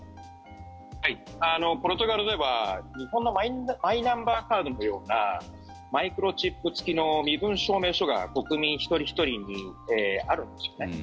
ポルトガルでは、日本のマイナンバーカードのようなマイクロチップ付きの身分証明書が国民一人ひとりにあるんですよね。